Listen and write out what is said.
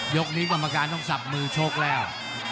ยกนี้กรรมการต้องสับมือชกแล้ว